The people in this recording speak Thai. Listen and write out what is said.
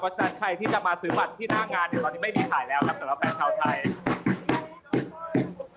เพราะฉะนั้นใครที่จะมาซื้อบัตรที่หน้างานเนี่ยตอนนี้ไม่มีขายแล้วครับสำหรับแฟนชาวไทย